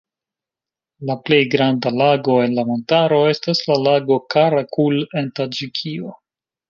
La plej granda lago en la montaro estas la lago Kara-Kul en Taĝikio.